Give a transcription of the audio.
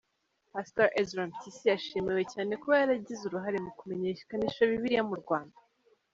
Pastor Ezra Mpyisi yashimiwe cyane kuba yaragize uruhare mu kumenyekanisha Bibiliya mu Rwanda.